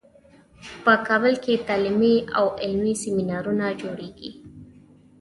په کابل کې تعلیمي او علمي سیمینارونو جوړیږي